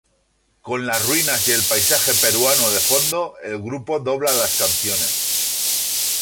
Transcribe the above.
Con las ruinas y el paisaje peruano de fondo, el grupo dobla las canciones.